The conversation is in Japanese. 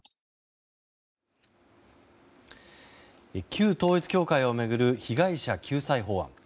旧統一教会を巡る被害者救済法案。